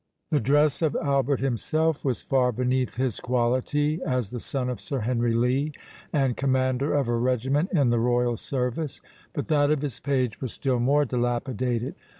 The dress of Albert himself was far beneath his quality, as the son of Sir Henry Lee, and commander of a regiment in the royal service; but that of his page was still more dilapidated.